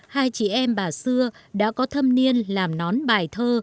hai chị em bà xưa đã có thâm niên làm nón bài thơ